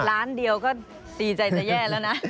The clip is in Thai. ล้านเดียวก็ดีใจจะแย่แล้วนะ